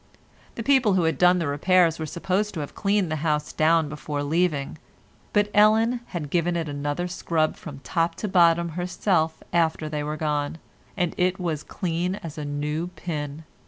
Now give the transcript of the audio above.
The people who had done the repairs were supposed to have cleaned the house down before leaving, but Ellen had given it another scrub from top to bottom herself after they were gone, and it was as clean as a new pin.